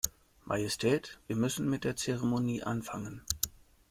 Majestät, wir müssen mit der Zeremonie anfangen.